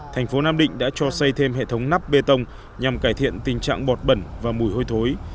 thành phố nam định đã cho xây thêm hệ thống nắp bê tông nhằm cải thiện tình trạng bọt bẩn và mùi hôi thối